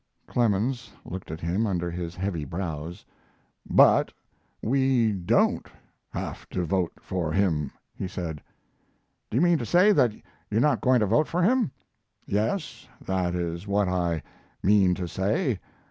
Clemens looked at him under his heavy brows. "But we don't have to vote for him," he said. "Do you mean to say that you're not going to vote for him?" "Yes, that is what I mean to say.